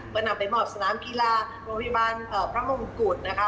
ก็นำไปมอบสนามกีฬาโรงพยาบาลพระมงกุฎนะคะ